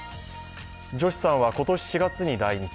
ジョシさんは、今年４月に来日。